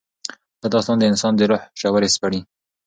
دا داستان د انسان د روح ژورې سپړي.